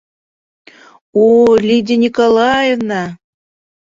О, Лидия Николаевна!